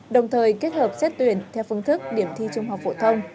đồng thời kết hợp xét tuyển theo phương thức điểm thi trung học phổ thông